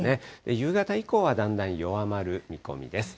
夕方以降はだんだん弱まる見込みです。